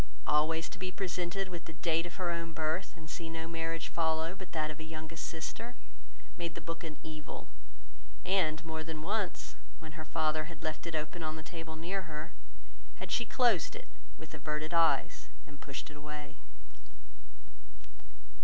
Always to be presented with the date of her own birth and see no marriage follow but that of a youngest sister, made the book an evil; and more than once, when her father had left it open on the table near her, had she closed it, with averted eyes, and pushed it away.